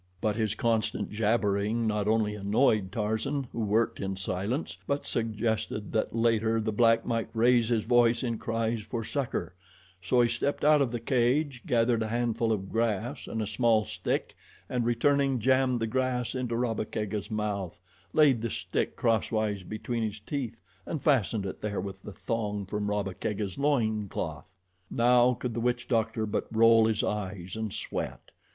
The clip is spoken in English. But his constant jabbering not only annoyed Tarzan, who worked in silence, but suggested that later the black might raise his voice in cries for succor, so he stepped out of the cage, gathered a handful of grass and a small stick and returning, jammed the grass into Rabba Kega's mouth, laid the stick crosswise between his teeth and fastened it there with the thong from Rabba Kega's loin cloth. Now could the witch doctor but roll his eyes and sweat.